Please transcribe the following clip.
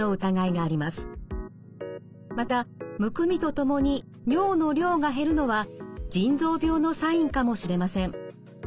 またむくみとともに尿の量が減るのは腎臓病のサインかもしれません。